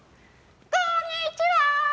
こんにちは！